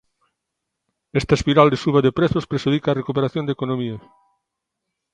Esta espiral de suba de prezos prexudica a recuperación da economía.